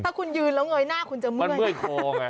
ถ้าคุณยืนแล้วเงยหน้าคุณจะเมื่อยมันเมื่อยคอไงค่ะ